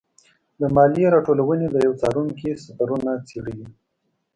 د مالیې راټولونې د یوه څارونکي سفرونه څېړلي.